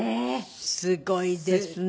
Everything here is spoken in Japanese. すごいですね。